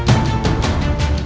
tidak ada yang bisa dihukum